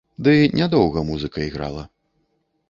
Ды нядоўга музыка іграла.